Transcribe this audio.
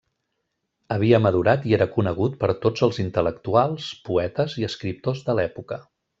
Havia madurat i era conegut per tots els intel·lectuals, poetes i escriptors de l'època.